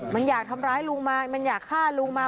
มันอยากทำร้ายลุงมามันอยากฆ่าลุงมา